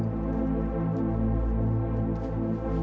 kemarin dia sekarang tidak